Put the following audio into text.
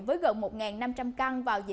với lại số thông tin của các nhà ở xã hội